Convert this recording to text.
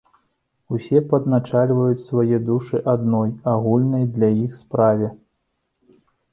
Усе падначальваюць свае душы адной, агульнай для іх справе.